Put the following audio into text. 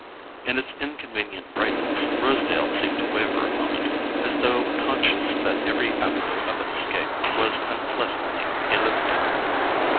In its inconvenient brightness Rosedale seemed to waver a moment, as though conscious that every avenue of escape was unpleasantly illuminated.